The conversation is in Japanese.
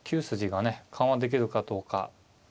筋がね緩和できるかどうか。